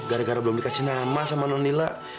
gara gara belum dikasih nama sama nonila